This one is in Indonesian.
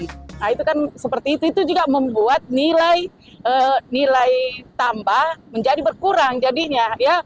nah itu kan seperti itu juga membuat nilai tambah menjadi berkurang jadinya